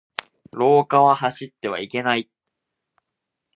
廊下は走ってはいけない。